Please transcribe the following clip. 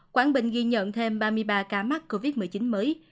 quảng bình ghi nhận thêm ba mươi ba ca mắc covid một mươi chín mới